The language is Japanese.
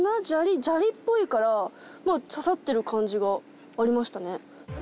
砂利っぽいからまあ刺さってる感じがありましたね